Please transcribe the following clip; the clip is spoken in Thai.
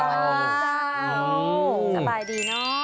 สบายดีเนอะ